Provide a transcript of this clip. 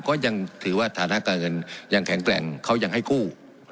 ก็ยังถือว่าฐานะการเงินยังแข็งแกร่งเขายังให้กู้